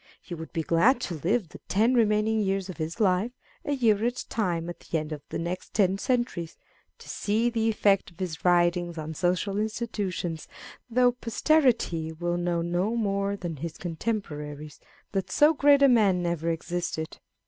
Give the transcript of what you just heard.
He would be glad to live the ten remaining years of his life, a year at a time at the end of the next ten centuries, to see the effect of his writings on social institutions, though posterity will know no more than his contemporaries that so great a man ever existed.